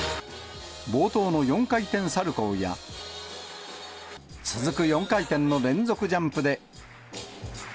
冒頭の４回転サルコーや、続く４回転の連続ジャンプで。